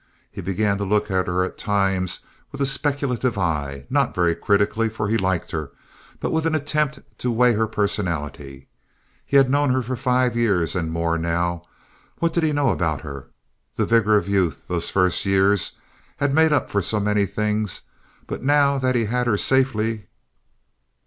He began to look at her at times, with a speculative eye—not very critically, for he liked her—but with an attempt to weigh her personality. He had known her five years and more now. What did he know about her? The vigor of youth—those first years—had made up for so many things, but now that he had her safely...